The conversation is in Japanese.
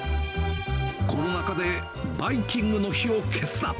コロナ禍でバイキングの火を消すな。